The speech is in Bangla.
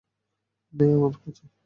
নেই আমার কাছে।